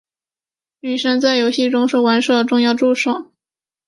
女神在游戏中是玩家的重要助手。